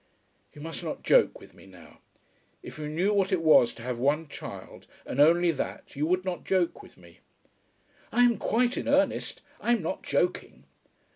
"You must not joke with me now. If you knew what it was to have one child and only that you would not joke with me." "I am quite in earnest. I am not joking."